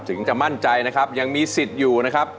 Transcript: ถึงจะมั่นใจนะครับยังมีสิทธิ์อยู่นะครับ